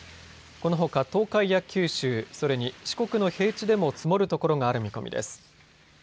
このほか東海や九州、それに四国の平地でも積もるところがある見込みです。